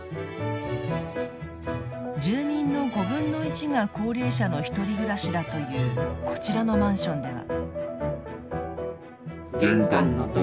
住民の５分の１が高齢者のひとり暮らしだというこちらのマンションでは。